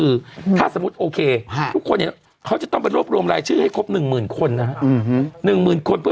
หนังสือโปสต์ดีหนังสือเกย์ดี